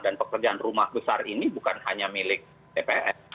dan pekerjaan rumah besar ini bukan hanya milik dps